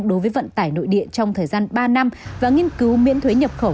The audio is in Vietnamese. đối với vận tải nội địa trong thời gian ba năm và nghiên cứu miễn thuế nhập khẩu